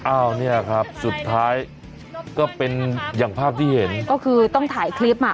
อ้าวเนี่ยครับสุดท้ายก็เป็นอย่างภาพที่เห็นก็คือต้องถ่ายคลิปอ่ะ